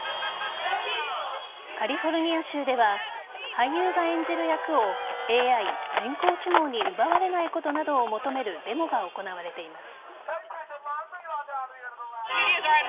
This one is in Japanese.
カリフォルニア州では俳優が演じる役をＡＩ＝人工知能に奪われないことなどを求めるデモが行われています。